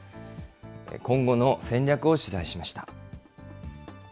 今後の戦略を取材しました。